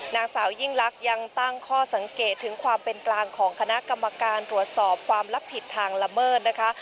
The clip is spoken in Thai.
นางสาวยิ่งลักษณ์ยังตั้งข้อสังเกตถึงความเป็นกลางของคณะกรรมการตรวจสอบความรับผิดทางละเมิดนะคะ